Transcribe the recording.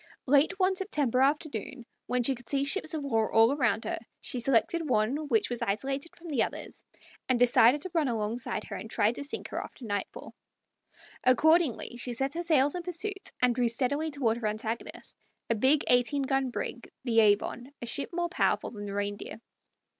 Late one September afternoon, when she could see ships of war all around her, she selected one which was isolated from the others, and decided to run alongside her and try to sink her after nightfall. Accordingly she set her sails in pursuit, and drew steadily toward her antagonist, a big eighteen gun brig, the Avon, a ship more powerful than the Reindeer.